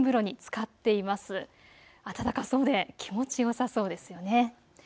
温かそうで気持ちよさそうですよね。